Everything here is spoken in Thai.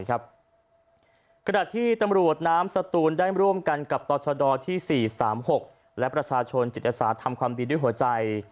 ขณะที่ตำรวจน้ำสตูนได้ร่วมกันกับต่อชดที่๔๓๖และประชาชนจิตศาสตร์ทำความดีด้วยหัวใจ